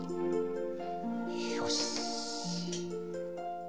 よし。